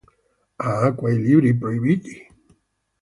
Ah, quei libri proibiti!